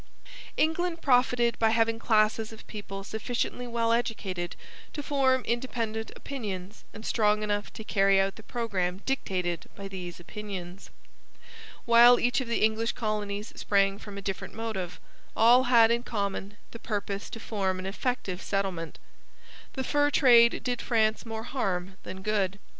England profited by having classes of people sufficiently well educated to form independent opinions and strong enough to carry out the programme dictated by these opinions. While each of the English colonies sprang from a different motive, all had in common the purpose to form an effective settlement. The fur trade did France more harm than good.